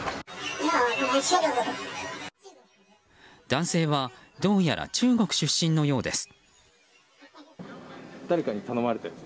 男性は、どうやら中国出身のようです。